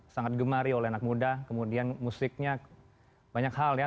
sangat digemari oleh anak muda kemudian musiknya banyak hal ya